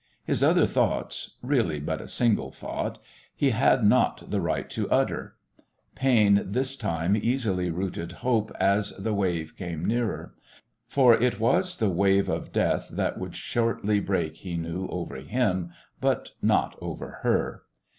His other thoughts really but a single thought he had not the right to utter. Pain this time easily routed hope as the wave came nearer. For it was the wave of death that would shortly break, he knew, over him, but not over her.